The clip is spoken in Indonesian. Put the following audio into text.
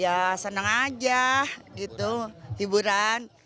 ya senang aja gitu hiburan